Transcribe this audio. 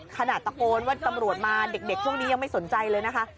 ขนาดตะโกนว่าตำรวจมาเด็กช่วงนี้ยังไม่สนใจเลยนะคะ